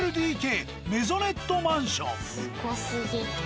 すごすぎ。